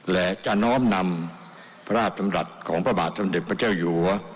และจะน้อมนำพระราชดำรัฐของพระบาทสมเด็จพระเจ้าอยู่หัว